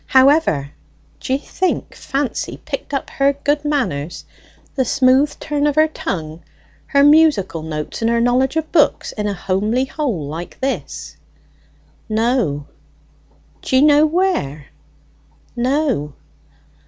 However, d'ye think Fancy picked up her good manners, the smooth turn of her tongue, her musical notes, and her knowledge of books, in a homely hole like this?" "No." "D'ye know where?" "No."